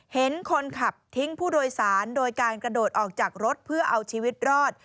เห็นคนขับทิ้งผู้โดยสารโดยการกระโดดออกจากรถเพื่อเอาชีวิตรอด